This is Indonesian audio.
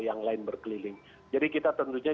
yang lain berkeliling jadi kita tentunya